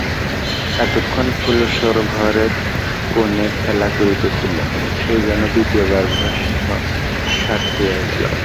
এতক্ষণ ফুলশর ঘরের কোণে খেলা করিতেছিল, সে যেন দ্বিতীয় বার ভস্মসাৎ হইয়া গেল।